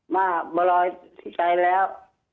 มาบร้อยเสียแล้ว